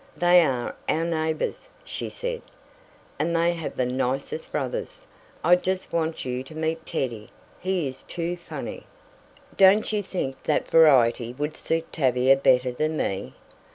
"They are our neighbors," she said, "and they have the nicest brothers! I just want you to meet Teddy he is too funny!" "Don't you think that variety would suit Tavia better than me?"